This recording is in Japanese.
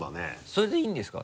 それでいいんですか？